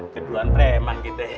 keduan tremah gitu ya